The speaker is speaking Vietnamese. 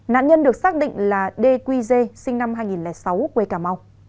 nạn nhân được xác định là đê quy dê sinh năm hai nghìn sáu quê cà mau